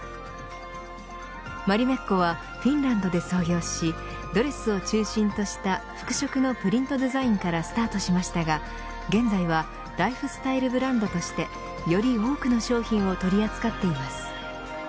マリメッコはフィンランドで創業しドレスを中心とした服飾のプリントデザインからスタートしましたが現在はライフスタイルブランドとしてより多くの商品を取り扱っています。